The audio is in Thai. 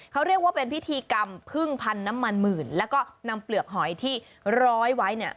เขาเรียกว่าเป็นพิธีกรรมพึ่งพันธุ์น้ำมันหมื่นแล้วก็นำเปลือกหอยที่ร้อยไว้เนี่ย